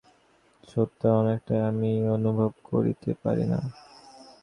আবার সঙ্গে সঙ্গে দেখা যায়, আমার সত্তার অনেকটাই আমি অনুভব করিতে পারি না।